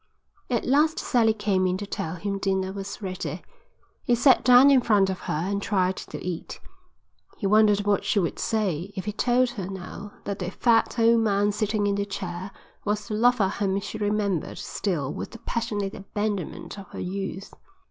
At last Sally came in to tell him dinner was ready. He sat down in front of her and tried to eat. He wondered what she would say if he told her now that the fat old man sitting in the chair was the lover whom she remembered still with the passionate abandonment of her youth.